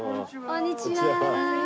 こんにちは！